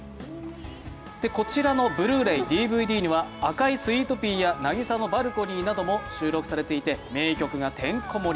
こちらのブルーレイ・ＤＶＤには「赤いスイートピー」や「渚のバルコニー」なども収録されていて名曲がてんこ盛り。